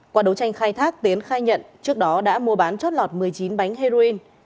qua đấu tranh khai thác tiến khai nhận trước đó đã mua bán chót lọt một mươi chín bánh heroin